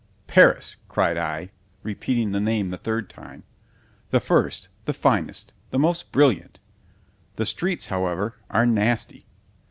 ——Paris! cried I, repeating the name the third time—— The first, the finest, the most brilliant—— The streets however are nasty.